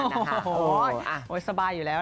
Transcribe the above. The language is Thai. โอ้โหสบายอยู่แล้วนะค่ะ